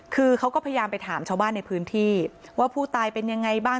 คือเขาก็พยายามไปถามชาวบ้านในพื้นที่ว่าผู้ตายเป็นยังไงบ้าง